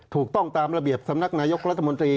ถูกต้องตามระเบียบสำนักนายกรัฐมนตรี